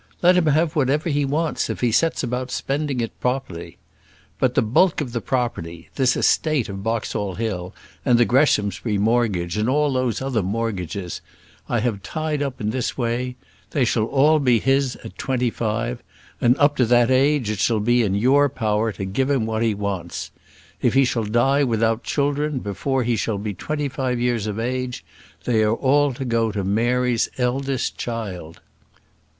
Let him have whatever he wants if he sets about spending it properly. But the bulk of the property this estate of Boxall Hill, and the Greshamsbury mortgage, and those other mortgages I have tied up in this way: they shall be all his at twenty five; and up to that age it shall be in your power to give him what he wants. If he shall die without children before he shall be twenty five years of age, they are all to go to Mary's eldest child."